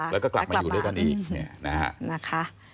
แล้วก็กลับมาอยู่ด้วยกันอีก